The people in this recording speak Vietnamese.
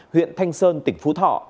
huyện thanh sơn tỉnh phú thọ